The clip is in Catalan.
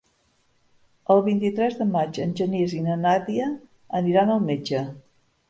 El vint-i-tres de maig en Genís i na Nàdia aniran al metge.